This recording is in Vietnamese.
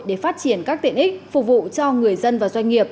để phát triển các tiện ích phục vụ cho người dân và doanh nghiệp